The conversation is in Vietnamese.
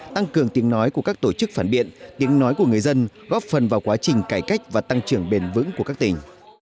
tăng cường tiếng nói của các tổ chức phản biện tiếng nói của người dân góp phần vào quá trình cải cách và tăng trưởng bền vững của các tỉnh